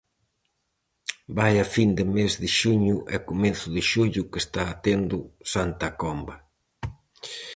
Vaia fin de mes de xuño e comezo de xullo que está tendo Santa Comba!